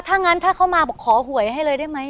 ถ้างั้นถ้าเขามาบอกขอหวยให้เลยได้ไหม